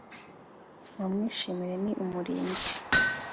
mu mwishimire ni umurinzi